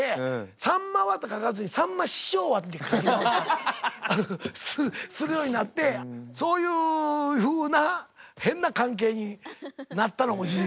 「さんまは」と書かずに「さんま師匠は」って。するようになってそういうふうな変な関係になったのも事実。